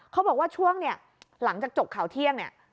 เขาบอกว่าช่วงนี้หลังจากจบข่าวเที่ยง